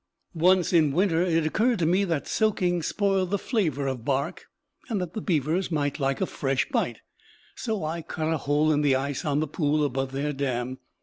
Once, in winter, it occurred to me that soaking spoiled the flavor of bark, and that the beavers might like a fresh bite. So I cut a hole in the ice on the pool above their dam.